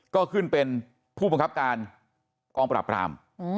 ก็ขึ้นเป็นผู้บังคับการกองปราบราม